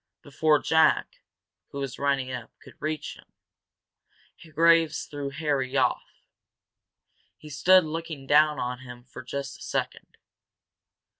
Before Jack, who was running up, could reach them, Graves threw Harry off. He stood looking down on him for just a second.